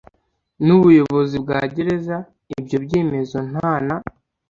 n ubuyobozi bwa gereza Ibyo byemezo nta na